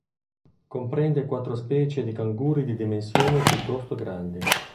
Comprende quattro specie di canguri di dimensioni piuttosto grandi.